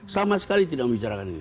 sama sekali tidak membicarakan ini